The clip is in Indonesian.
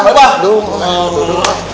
dung dung dung